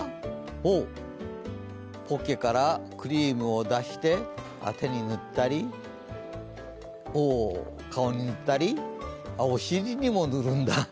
ほお、ポッケからクリームを出して手に塗ったり、顔に塗ったりお尻にも塗るんだ。